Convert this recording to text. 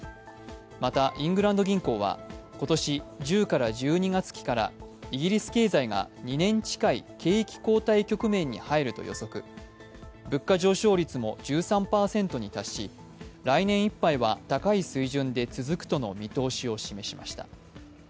また、イングランド銀行は今年１０−１２月期からイギリス経済が２年近い景気後退局面に入ると予測物価上昇率も１３％に達し、来年いっぱいは高い水準で続くとの見通しを示しました。